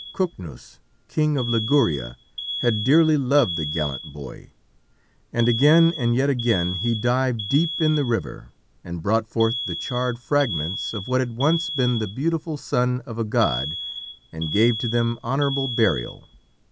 Cycnus, King of Liguria, had dearly loved the gallant boy, and again and yet again he dived deep in the river and brought forth the charred fragments of what had once been the beautiful son of a god, and gave to them honourable burial.